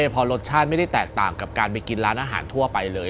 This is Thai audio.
พอรสชาติไม่ได้แตกต่างกับการไปกินร้านอาหารทั่วไปเลย